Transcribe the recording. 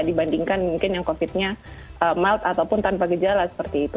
dibandingkan mungkin yang covid nya mild ataupun tanpa gejala seperti itu